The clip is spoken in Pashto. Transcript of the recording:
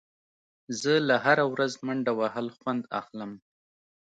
زه له هره ورځ منډه وهل خوند اخلم.